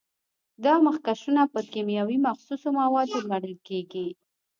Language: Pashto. دا مخکشونه پر کیمیاوي مخصوصو موادو لړل کېږي.